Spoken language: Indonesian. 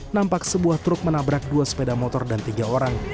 nampak sebuah truk menabrak dua sepeda motor dan tiga orang